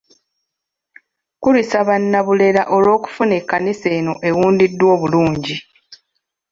Nkulisa Bannabulera olw'okufuna ekkanisa eno ewundiddwa obulungi.